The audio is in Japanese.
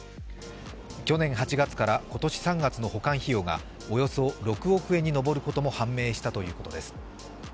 去年８月から今年３月の保管費用がおよそ６億円に上ることも判明したということです。